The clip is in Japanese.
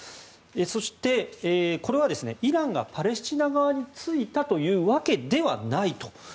そして、これはイランがパレスチナ側についたというわけではないと。